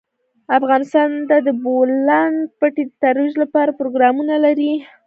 افغانستان د د بولان پټي د ترویج لپاره پروګرامونه لري.